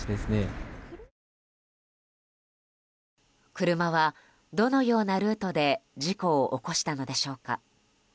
車はどのようなルートで事故を起こしたのでしょうか。